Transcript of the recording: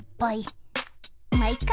まいっか！